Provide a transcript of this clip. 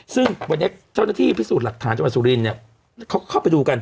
ซึ่งวันนี้เจ้าหน้าที่พิสูจน์หลักฐานจังหวัดสุรินเนี่ยเขาเข้าไปดูกัน